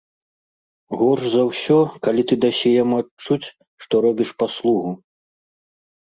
Горш за ўсё, калі ты дасі яму адчуць, што робіш паслугу.